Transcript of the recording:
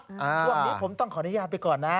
ช่วงนี้ผมต้องขออนุญาตไปก่อนนะ